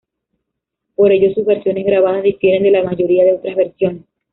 Por ello, sus versiones grabadas difieren de la mayoría de otras versiones.